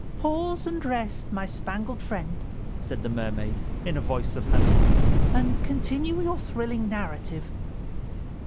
"Pause and rest, my spangled friend," said the Mermaid in a voice of honey, "and continue your thrilling narrative."